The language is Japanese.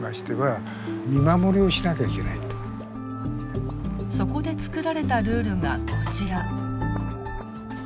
そこで作られたルールがこちら。